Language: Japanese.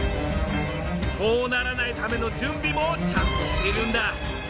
そうならないための準備もちゃんとしているんだ！